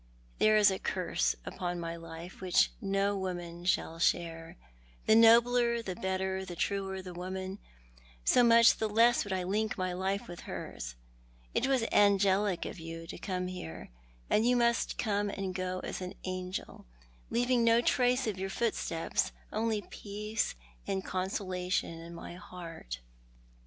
There is a curse upon my life which no woman shall share. The nobler, the better, the truer the woman, so much the less would I link my life with hers. It was angelic of you to come here ; and you must come and go as an angel, leaving no trace of your footsteps, only peace and consolation in my heart."